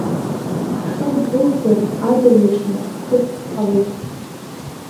Ҳшымгәыӷӡоз адырҩаҽны хҭыск ҟалеит.